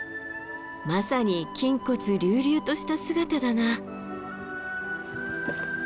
まさに筋骨隆々とした姿だな。